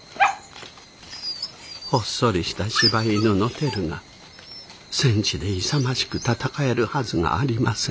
ほっそりした柴犬のテルが戦地で勇ましく戦えるはずがありません。